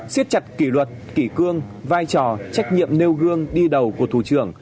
xiết chặt kỷ luật kỷ cương vai trò trách nhiệm nêu gương đi đầu của thủ trưởng